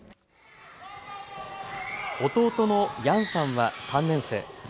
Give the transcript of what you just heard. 弟のヤンさんは３年生。